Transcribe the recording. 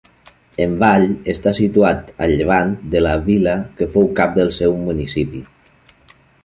Envall està situat a llevant de la vila que fou cap del seu municipi.